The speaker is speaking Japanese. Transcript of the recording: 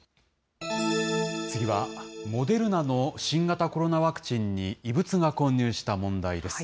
次は、モデルナの新型コロナワクチンに異物が混入した問題です。